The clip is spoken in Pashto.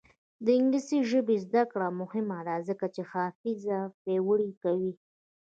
د انګلیسي ژبې زده کړه مهمه ده ځکه چې حافظه پیاوړې کوي.